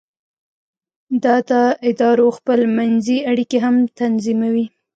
دا د ادارو خپل منځي اړیکې هم تنظیموي.